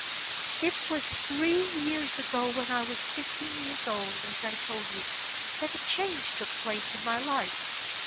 "It was three years ago when I was fifteen years old, as I told you, that a change took place in my life.